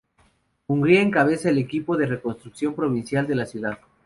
Hungría encabeza el Equipo de Reconstrucción Provincial de la ciudad.